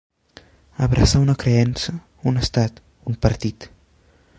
Abraçar una creença, un estat, un partit.